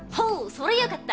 そりゃよかった。